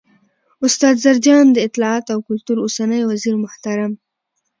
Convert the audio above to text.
، استاد زرجان، د اطلاعات او کلتور اوسنی وزیرمحترم